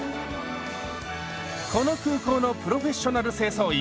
この空港のプロフェッショナル清掃員